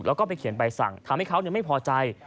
แล้วก็ไปเขียนใบสั่งทำให้เขาไม่พอใจ